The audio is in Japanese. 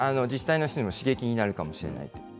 自治体の人にも刺激になるかもしれない。